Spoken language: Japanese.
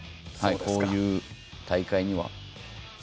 こういう大会には。